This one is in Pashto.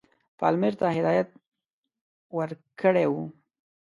پالمر ته هدایت ورکړی وو.